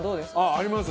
あります。